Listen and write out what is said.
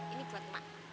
ini buat emak